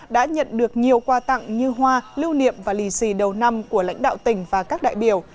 đã nhận được nhiều quà tặng như hoa lưu niệm và lì xì đầu năm của lãnh đạo tỉnh và các đại biểu